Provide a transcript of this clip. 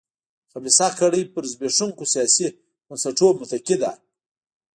خبیثه کړۍ پر زبېښونکو سیاسي بنسټونو متکي ده.